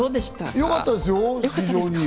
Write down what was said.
よかったですよ、非常に。